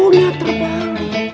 oh lihat terpalu